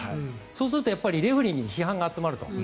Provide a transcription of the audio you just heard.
そうするとレフェリーに批判が集まると。